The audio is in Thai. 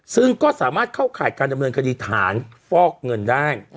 ซึ่งก็สามารถเข้าข่ายการดำเนินคดีฐานฟอกเงินได้